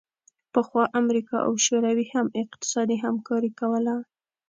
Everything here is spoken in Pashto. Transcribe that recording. پخوا امریکا او شوروي هم اقتصادي همکاري کوله